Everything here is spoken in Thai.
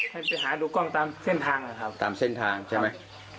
ให้ไปหาดูกล้องตามเส้นทางนะครับตามเส้นทางใช่ไหม